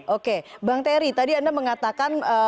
oke bang terry tadi anda mengatakan